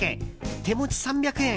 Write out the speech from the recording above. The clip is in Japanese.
手持ち３００円。